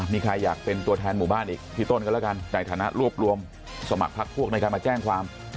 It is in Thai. มีใครอยากเป็นตัวแทนหมู่บ้านอีกพี่ต้นก็แล้วกันในฐานะรวบรวมสมัครพักพวกในการมาแจ้งความ